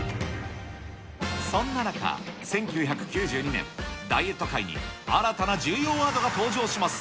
そんな中、１９９２年、ダイエット界に新たな重要ワードが登場します。